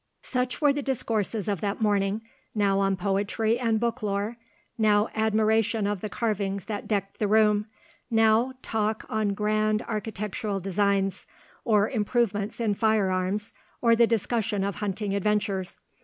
Such were the discourses of that morning, now on poetry and book lore; now admiration of the carvings that decked the room; now talk on grand architectural designs, or improvements in fire arms, or the discussion of hunting adventures.